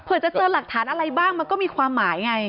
เพื่อจะเจอหลักฐานอะไรบ้างมันก็มีความหมายไง